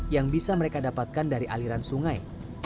yang bisa mereka dapatkan dari aliran sungai